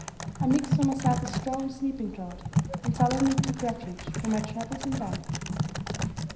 I mixed for myself a strong sleeping draught, and sullenly took refuge from my troubles in bed.